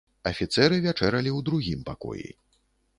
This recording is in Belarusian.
Афіцэры вячэралі ў другім пакоі.